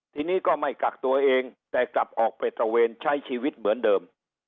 ทีนี้ก็ไม่กักตัวเองแต่กลับออกไปตระเวนใช้ชีวิตเหมือนเดิม